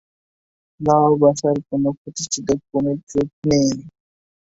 লাও ভাষার কোন প্রতিষ্ঠিত প্রমিত রূপ নেই।